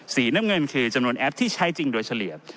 สีน้ำเงินคือจำนวนแอปที่ใช้จริงโดยเฉลี่ย